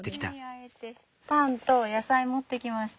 パンと野菜持ってきました。